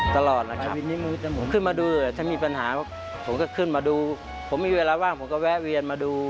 ที่ยังมีกรักษาแห่งผู้ก็น้ำเท้าไฟฟ้าไม่ไม่มีได้